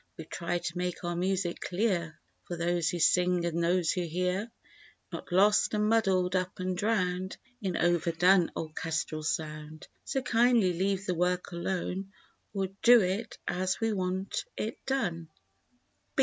We tried to make our music clear For those who sing and those who hear, Not lost and muddled up and drowned In over done orchestral sound; So kindly leave the work alone Or do it as we want it done.